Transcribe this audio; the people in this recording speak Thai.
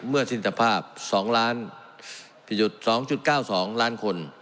เมื่อสินสภาพ๒๙๒ล้านคน